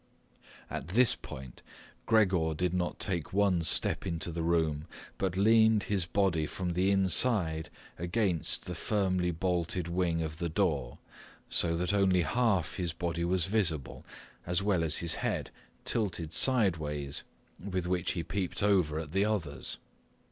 At this point Gregor did not take one step into the room, but leaned his body from the inside against the firmly bolted wing of the door, so that only half his body was visible, as well as his head, tilted sideways, with which he peeped over at the others.